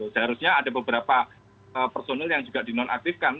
seharusnya ada beberapa personil yang juga dinonaktifkan